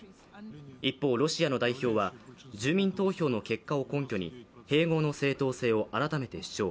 一方、ロシアの代表は、住民投票の結果を根拠に併合の正当性を改めて主張。